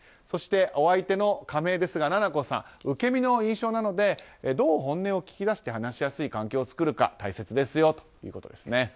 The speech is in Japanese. そして、仮名ですがお相手のななこさん受け身の印象なのでどう本音を引き出して話しやすい環境を作るか大切ですよということですね。